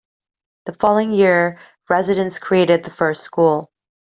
The following year, residents created the first school.